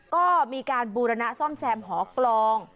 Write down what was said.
ก็มีการบูรณะซ่อมแซมหอกลอง